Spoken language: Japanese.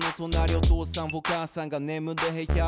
「お父さんお母さんがねむる部屋」